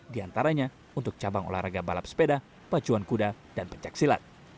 di antaranya untuk cabang olahraga balap sepeda pacuan kuda dan pencaksilat